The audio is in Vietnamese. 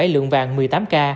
một bảy lượng vàng một mươi tám k